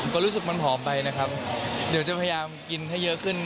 ก็รู้สึกมันผอมไปนะครับเดี๋ยวจะพยายามกินให้เยอะขึ้น